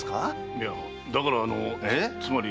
いやだからあのつまり。